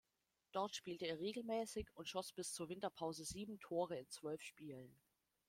Dort spielte er regelmäßig und schoss bis zur Winterpause sieben Tore in zwölf Spielen.